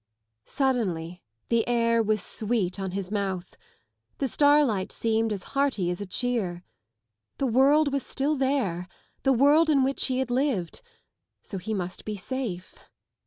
Ill Suddenly the air was sweet on his month. The starlight seemed as hearty as a cheer. The world was still there, the world in which he had lived, so he must be sale.